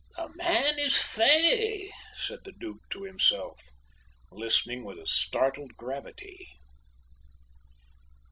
"The man is fey," said the Duke to himself, listening with a startled gravity.